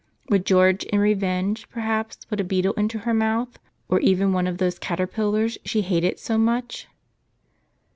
Would George, in revenge, per¬ haps put a beetle into her mouth or even one of those caterpillars she hated so much?